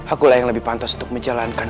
akulah yang lebih pantas untuk menjalankan